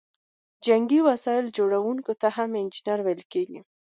جنګي وسایل جوړوونکو ته هم انجینر ویل کیده.